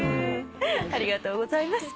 ありがとうございます。